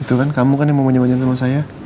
itu kan kamu kan yang mau nyobain sama saya